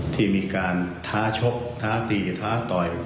ที่มีการท้าชกท้าตีท้าต่อย